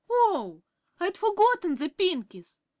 "Oh; I'd forgotten the Pinkies!"